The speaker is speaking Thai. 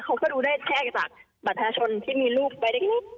เขาก็ดูได้แค่จากบัตรประชาชนที่มีรูปไปได้นิด